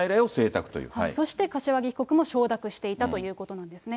そして柏木被告も承諾していたということなんですね。